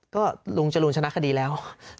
ก็ลุงจรูนชนะคดีแล้ว